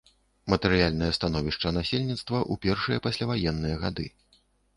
Матэрыяльнае становішча насельніцтва ў першыя пасляваенныя гады.